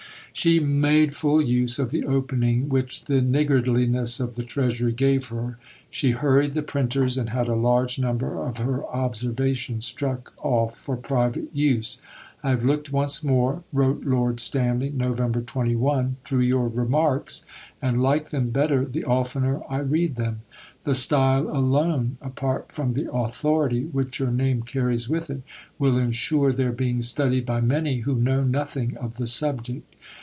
She made full use of the opening which the niggardliness of the Treasury gave her. She hurried the printers, and had a large number of her "Observations" struck off for private use. "I have looked once more," wrote Lord Stanley (Nov. 21), "through your Remarks, and like them better the oftener I read them. The style alone (apart from the authority which your name carries with it) will ensure their being studied by many who know nothing of the subject.